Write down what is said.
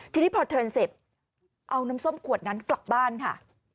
ทีนี้พอเทินเสร็จเอาน้ำส้มขวดนั้นกลับบ้านค่ะ